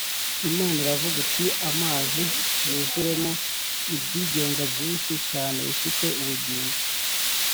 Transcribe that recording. Imana iravuga iti Amazi yuzuremo ibyigenza byinshi cyane bifite ubugingo